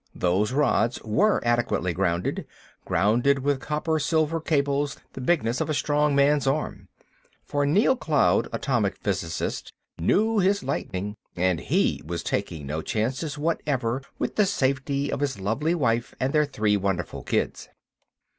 Those rods were adequately grounded, grounded with copper silver cables the bigness of a strong man's arm; for Neal Cloud, atomic physicist, knew his lightning and he was taking no chances whatever with the safety of his lovely wife and their three wonderful kids.